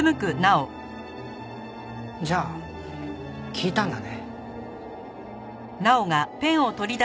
じゃあ聞いたんだね？